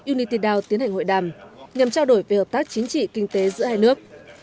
unity down tiến hành hội đàm nhằm trao đổi về hợp tác chính trị kinh tế giữa hai nước